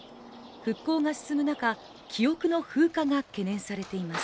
復興が進む中、記憶の風化が懸念されています。